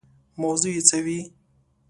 موضوع یې څه وي.